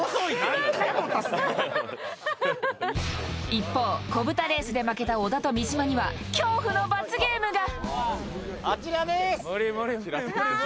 一方、こぶたレースで負けた小田と三島には恐怖の罰ゲームが。